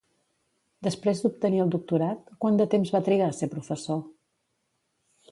Després d'obtenir el doctorat, quant de temps va trigar a ser professor?